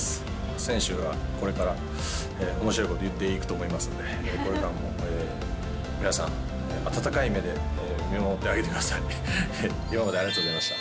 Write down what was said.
選手がこれからおもしろいことを言っていくと思いますので、これからも皆さん、温かい目で見守ってあげてください。